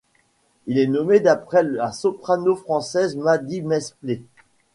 Il est nommé d'après la soprano française Mady Mesplé.